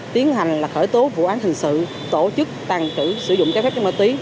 tiến hành khởi tố vụ án hình sự tổ chức tàn trữ sử dụng trái phép chất ma túy